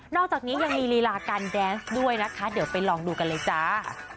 อกจากนี้ยังมีลีลาการแดนส์ด้วยนะคะเดี๋ยวไปลองดูกันเลยจ้า